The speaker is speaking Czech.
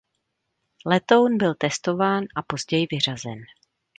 Letoun byl testován a později vyřazen.